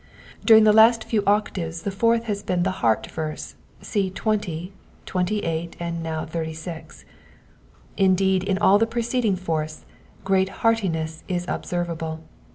During the last few octaves the foui th has been the heart verse : see 20, 28, and now 86. Indeed in all the preceding fourths great heartiness is observable.